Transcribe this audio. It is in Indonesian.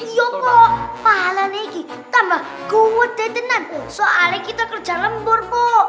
iya mpo pahala lagi tambah kuat deh tenang soalnya kita kerja lembur mpo